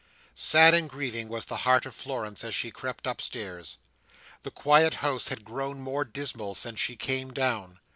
Sad and grieving was the heart of Florence, as she crept upstairs. The quiet house had grown more dismal since she came down.